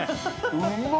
うまっ！